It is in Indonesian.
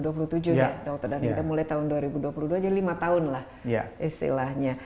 dr dhani kita mulai tahun dua ribu dua puluh dua aja lima tahun lah istilahnya